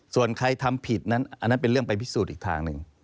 ส่วนใครทำผิดนั้นอันนั้นเป็นเรื่องไปพิสูจน์อีกทางหนึ่ง